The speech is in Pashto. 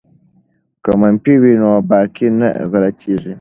که منفي وي نو باقی نه غلطیږي.